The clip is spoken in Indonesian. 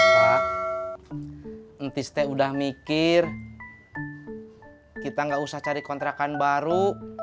pak entis teh udah mikir kita gak usah cari kontrakan baru